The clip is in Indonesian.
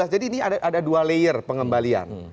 jadi ini ada dua layer pengembalian